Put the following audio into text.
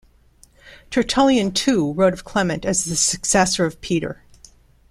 Tertullian too wrote of Clement as the successor of Peter.